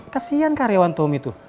kesian karyawan tommy tuh